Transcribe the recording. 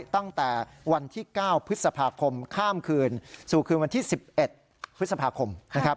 ตั้งแต่วันที่๙พฤษภาคมข้ามคืนสู่คืนวันที่๑๑พฤษภาคมนะครับ